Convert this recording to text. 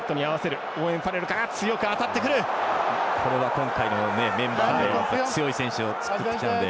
今大会のメンバーで強い選手を使ってきたので。